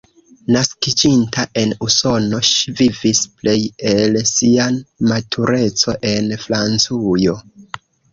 Naskiĝinta en Usono, ŝi vivis plej el sia matureco en Francujo.